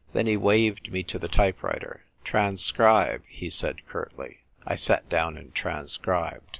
Then he waved me to the type writer. " Tran scribe," he said curtly. I sat down and transcribed.